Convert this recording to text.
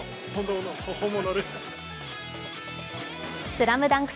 「ＳＬＡＭＤＵＮＫ」